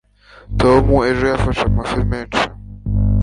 tom ejo yafashe amafi menshi